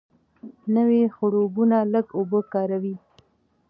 نوې خړوبونه لږه اوبه کاروي.